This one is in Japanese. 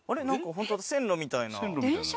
ホントだ線路みたいな。